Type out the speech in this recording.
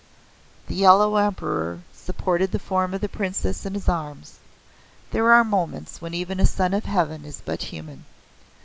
The Yellow Emperor supported the form of the Princess in his arms. There are moments when even a Son of Heaven is but human.